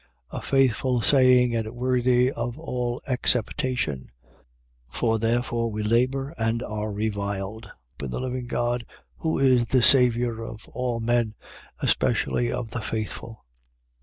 4:9. A faithful saying and worthy of all acceptation. 4:10. For therefore we labour and are reviled, because we hope in the living God, who is the Saviour of all men, especially of the faithful.